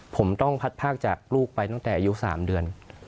ผมต้องพัดภาคจากลูกไปตั้งแต่อายุ๓เดือน